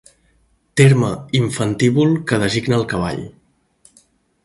Terme infantívol que designa el cavall.